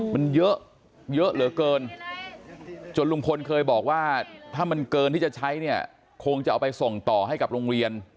มันเยอะเยอะเหลือเกินจนลุงพลเคยบอกว่าถ้ามันเกินที่จะใช้เนี่ยคงจะเอาไปส่งต่อให้กับโรงเรียน